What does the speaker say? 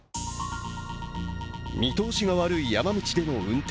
見通しが悪い山道での運転。